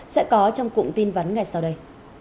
sẽ có trong cụm tin vấn ngày sau đây